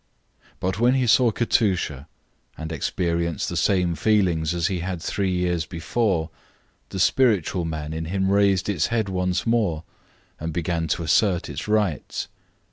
But when he saw Katusha and experienced the same feelings as he had had three years before, the spiritual man in him raised its head once more and began to assert its rights.